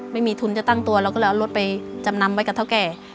ไม่มีทุนจะตั้งตัวเราก็เลยเอารถไปจำนำไว้กับเท่าแก่